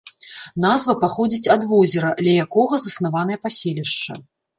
Назва паходзіць ад возера, ля якога заснаванае паселішча.